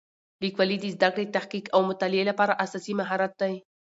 لیکوالی د زده کړې، تحقیق او مطالعې لپاره اساسي مهارت دی.